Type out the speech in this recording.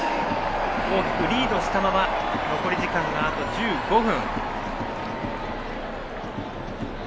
大きくリードしたまま残り時間はあと１５分。